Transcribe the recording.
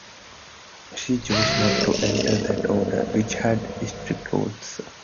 She chose not to enter that order, which had strict rules.